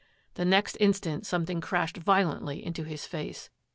The next instant something crashed violently into his face.